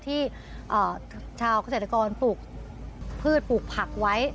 ที่ชาวเกษตรกรปลูกพืชปลูกผักไว้